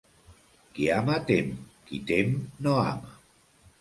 Qui ama tem, qui tem no ama.